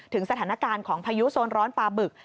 ถึงสถานการณ์ของพายุโซนร้อนปลาบึก